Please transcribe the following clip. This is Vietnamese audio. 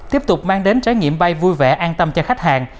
tiếp tục mang đến trải nghiệm bay vui vẻ an tâm cho khách hàng